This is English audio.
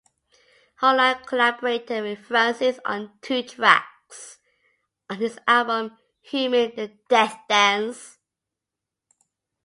Holland collaborated with Francis on two tracks on his album "Human the Death Dance".